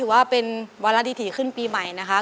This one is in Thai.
วันระดิษฐีขึ้นปีใหม่นะคะ